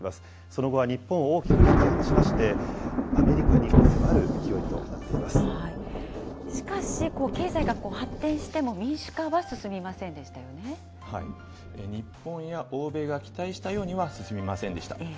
その後は日本を大きく引き離しまして、アメリカに迫る勢いとなっしかし、経済が発展しても、日本や欧米が期待したようには進みませんでした。